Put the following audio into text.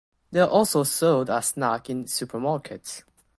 They are also sold as snack in supermarkets.